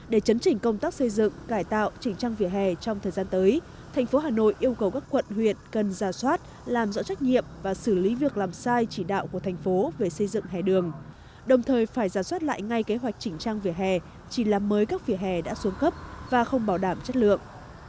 để chấn chỉnh công tác xây dựng cải tạo chỉnh trang vỉa hè trong thời gian tới thành phố hà nội yêu cầu các quận huyện cần ra soát làm rõ trách nhiệm và xử lý việc làm sai chỉ đạo của thành phố về xây dựng hẻ đường đồng thời phải giả soát lại ngay kế hoạch chỉnh trang vỉa hè chỉ làm mới các vỉa hè đã xuống cấp và không bảo đảm chất lượng